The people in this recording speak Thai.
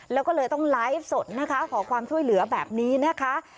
แล้วก็เลยต้องไลฟ์สดนะคะขอความช่วยเหลือแบบนี้นะคะ